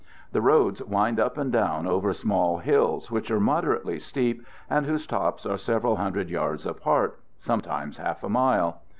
... The roads wind up and down over small hills which are moderately steep and whose tops are several hundred yards apart, sometimes half a mile.